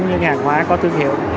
những hàng hóa có thương hiệu